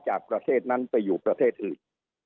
จากประเทศนั้นไปอยู่ประเทศอื่น